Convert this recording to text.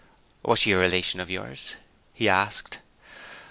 "Was she a relation of yours?" he asked.